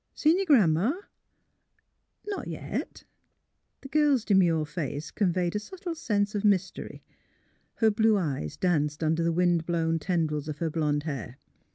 Seen your Gran 'ma? "'* Not yet." The girl's demure face conveyed a subtle sense of mystery; her blue eyes danced under the wind blown tendrils of her blond hair.